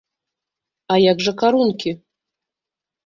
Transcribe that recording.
А як жа карункі?